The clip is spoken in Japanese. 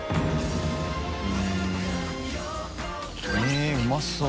えっうまそう。